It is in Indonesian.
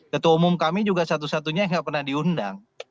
ketua umum kami juga satu satunya yang nggak pernah diundang